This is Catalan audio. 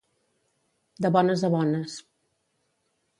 De bones a bones.